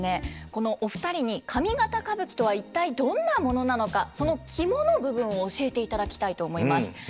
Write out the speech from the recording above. このお二人に上方歌舞伎とは一体どんなものなのかその肝の部分を教えていただきたいと思います。